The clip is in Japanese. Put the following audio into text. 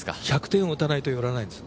１００点を打たないと寄らないんです